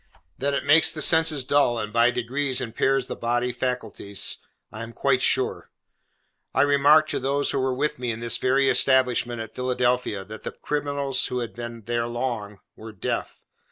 That it makes the senses dull, and by degrees impairs the bodily faculties, I am quite sure. I remarked to those who were with me in this very establishment at Philadelphia, that the criminals who had been there long, were deaf.